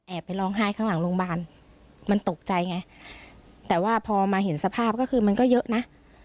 ไปร้องไห้ข้างหลังโรงพยาบาลมันตกใจไงแต่ว่าพอมาเห็นสภาพก็คือมันก็เยอะนะ